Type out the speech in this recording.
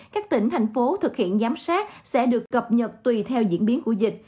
các tỉnh thành phố thực hiện giám sát sẽ được cập nhật tùy theo diễn biến của dịch